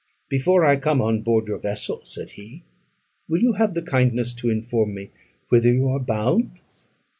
"Before I come on board your vessel," said he, "will you have the kindness to inform me whither you are bound?"